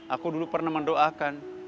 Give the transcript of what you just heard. aku dulu pernah mendoakan